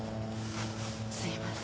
すいません。